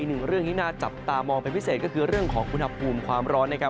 หนึ่งเรื่องที่น่าจับตามองเป็นพิเศษก็คือเรื่องของอุณหภูมิความร้อนนะครับ